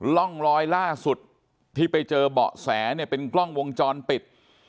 ร่องรอยล่าสุดที่ไปเจอเบาะแสเนี่ยเป็นกล้องวงจรปิด